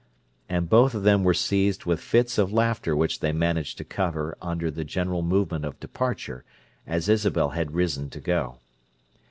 And both of them were seized with fits of laughter which they managed to cover under the general movement of departure, as Isabel had risen to go.